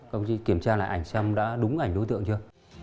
kiểm tra lại ảnh xem đã đúng ảnh đối tượng chưa